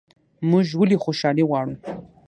موږ ولې خوشحالي غواړو؟